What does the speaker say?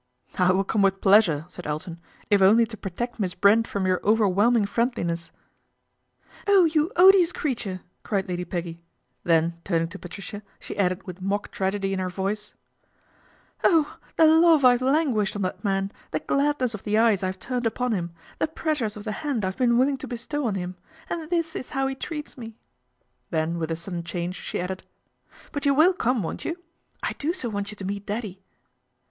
" I will come with pleasure," said Elton, " if only to protect Miss Brent from your overwhelm ing friendliness." " Oh, you odious creature !" cried Lady Peggy, then turning to Patricia she added with mock tragedy in her voice, " Oh ! the love I've lan guished on that man, the gladness of the eyes I have turned upon him, the pressures of the hand I've been willing to bestow on him, and this is how he treats me " Then with a sudden change LADY PEGGY MAKES A FRIEND 249 he added, " But you will come, won't you ? I lo so want you to meet Daddy."